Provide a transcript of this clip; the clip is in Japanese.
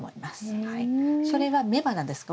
それは雌花ですか？